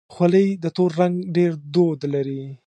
خولۍ د تور رنګ ډېر دود لري.